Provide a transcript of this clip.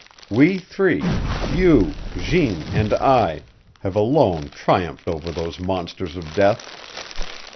We three, you, Jeanne, and I, have alone triumphed over those monsters of death.